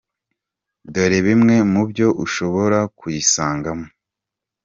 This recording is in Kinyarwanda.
Dore bimwe mu byo ushobora kuyisangamo.